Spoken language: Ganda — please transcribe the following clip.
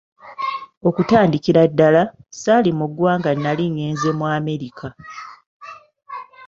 Okutandikira ddala, saali mu ggwanga nali ngenze mu Amerika.